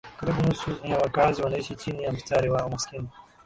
Karibu nusu ya wakazi wanaishi chini ya mstari wa umaskini